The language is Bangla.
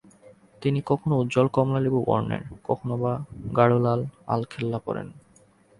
তিনি কখনও উজ্জ্বল কমলালেবু বর্ণের, কখনও বা গাঢ় লাল আলখাল্লা পরেন।